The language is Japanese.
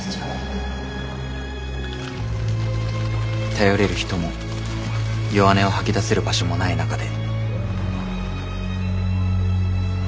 頼れる人も弱音を吐き出せる場所もない中で。